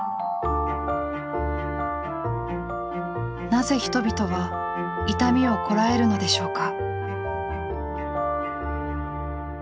なぜ人々は痛みをこらえるのでしょうか。